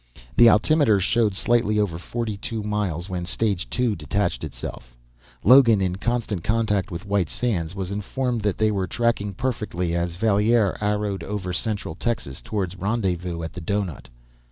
The altimeter showed slightly over forty two miles when stage two detached itself. Logan, in constant contact with White Sands, was informed that they were tracking perfectly as Valier arrowed over central Texas toward rendezvous at the doughnut.